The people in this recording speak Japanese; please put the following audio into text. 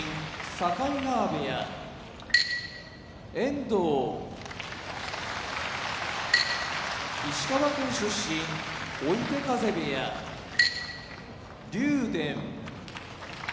境川部屋遠藤石川県出身追手風部屋竜電